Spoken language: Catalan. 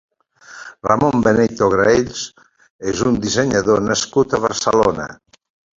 Ramón Benedito Graells és un dissenyador nascut a Barcelona.